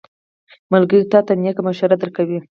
ملګری تا ته نېک مشورې درکوي.